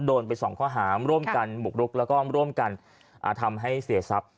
โดนไปสองข้อหามร่วมกันบุกรุกแล้วก็ร่วมกันทำให้เสียทรัพย์